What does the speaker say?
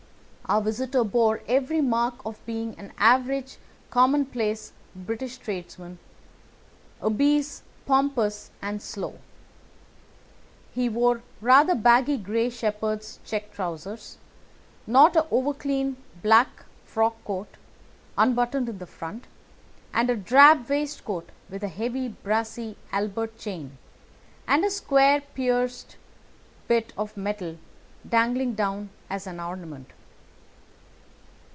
Our visitor bore every mark of being an average commonplace British tradesman, obese, pompous, and slow. He wore rather baggy grey shepherd's check trousers, a not over clean black frock coat, unbuttoned in the front, and a drab waistcoat with a heavy brassy Albert chain, and a square pierced bit of metal dangling down as an ornament.